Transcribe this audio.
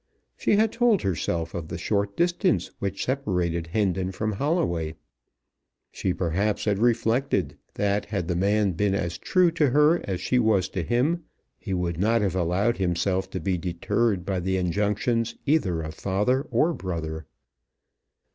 She had told herself of the short distance which separated Hendon from Holloway. She perhaps had reflected that had the man been as true to her as was she to him, he would not have allowed himself to be deterred by the injunctions either of father or brother.